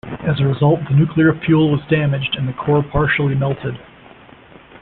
As a result, the nuclear fuel was damaged, and the core partially melted.